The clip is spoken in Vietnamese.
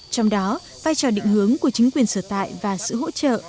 trong đó vai trò định hướng của chính quyền sở tại và sự hỗ trợ